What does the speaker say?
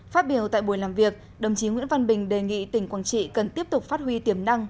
phát biểu tại buổi làm việc đồng chí nguyễn văn bình đề nghị tỉnh quảng trị cần tiếp tục phát huy tiềm năng